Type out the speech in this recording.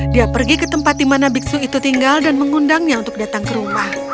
dia pergi ke tempat di mana biksu itu tinggal dan mengundangnya untuk datang ke rumah